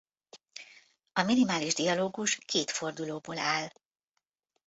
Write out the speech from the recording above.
A minimális dialógus két fordulóból áll.